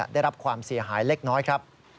ได้รับความเสียหายเล็กน้อยครับ